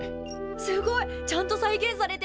すごいちゃんと再現されてる！